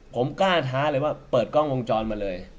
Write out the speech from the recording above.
ผมกล้าท้าเลยว่าเปิดกล้องวงจรมาเลย